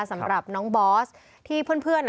สำหรับน้องบอสที่เพื่อนเพื่อนอะ